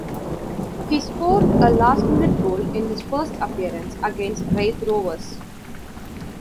He scored a last minute goal in his first appearance, against Raith Rovers.